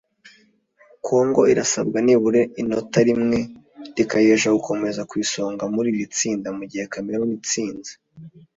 Congo irasabwa nibura inota rimwe rikayihesha gukomeza ku isonga muri iri tsinda mu gihe Cameroon itsinze